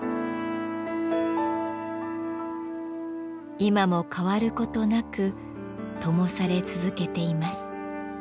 今も変わる事なくともされ続けています。